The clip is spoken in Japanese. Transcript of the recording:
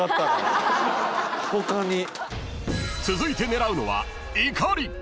［続いて狙うのは「怒り」］